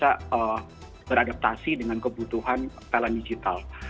untuk bisa beradaptasi dengan kebutuhan talenta digital